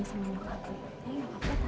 eh lokapnya tau kan